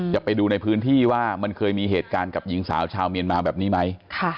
จะไปดูในพื้นที่ว่ามันเคยมีเหตุการณ์กับหญิงสาวชาวเมียนมาแบบนี้ไหม